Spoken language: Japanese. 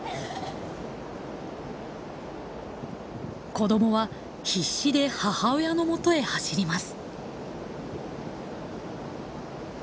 子どもは必死で母親のもとへ走ります。